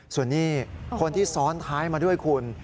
ส่วนนี้คนที่ซ้อนท้ายมาด้วยคุณ